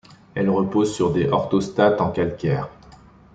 Elle repose sur des orthostates en calcaire.